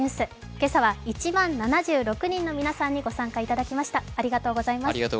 今朝は１万７６人の皆さんにご参加いただきました、ありがとうございます。